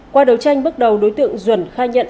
qua đấu tranh bước đầu đối tượng duẩn khai nhận